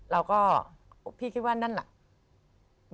แล้วก็พี่คิดว่านั่นแหละ